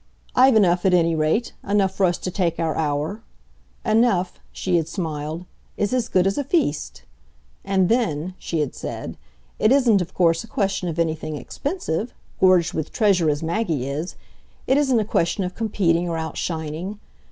I've enough, at any rate enough for us to take our hour. Enough," she had smiled, "is as good as a feast! And then," she had said, "it isn't of course a question of anything expensive, gorged with treasure as Maggie is; it isn't a question of competing or outshining.